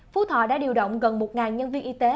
phú thọ đã điều động gần một nhân viên y tế